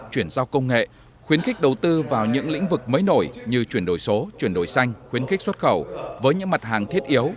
chuyển giao công nghệ khuyến khích đầu tư vào những lĩnh vực mới nổi như chuyển đổi số chuyển đổi xanh khuyến khích xuất khẩu với những mặt hàng thiết yếu